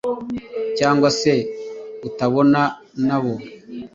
cyangwa se utabana nabo